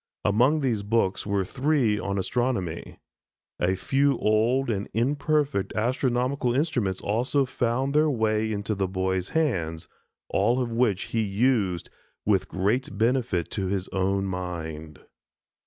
Among these books were three on Astronomy. A few old and imperfect astronomical instruments also found their way into the boy's hands, all of which he used with great benefit to his own mind.